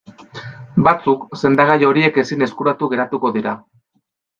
Batzuk sendagai horiek ezin eskuratu geratuko dira.